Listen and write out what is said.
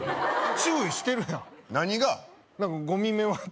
注意してるやん！